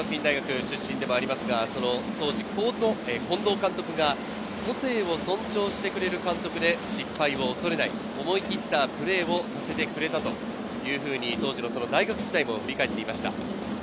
加えまして、中京学院大学出身でもありますが、当時、こんどう監督が個性を尊重してくれる監督で失敗を恐れない思い切ったプレーをさせてくれたというふうに当時の大学時代も振り返っていました。